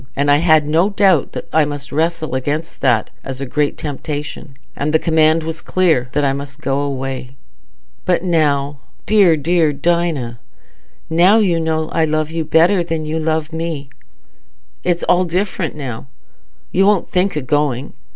And I had no doubt that I must wrestle against that as a great temptation, and the command was clear that I must go away." "But now, dear, dear Dinah, now you know I love you better than you love me... it's all different now. You won't think o' going.